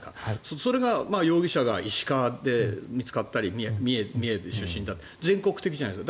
それが容疑者が石川で見つかったり三重出身だと全国的じゃないですか。